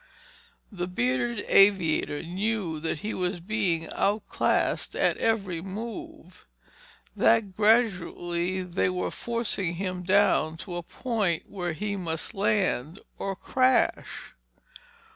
The bearded aviator knew that he was being outclassed at every move, that gradually they were forcing him down to a point where he must land or crash.